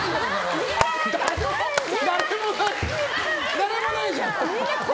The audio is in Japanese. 誰もないじゃん！